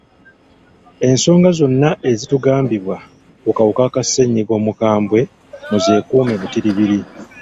Ensonga zonna ezitugambibwa ku kawuka ka ssenyiga omukambwe mu zeekuume butiribiri.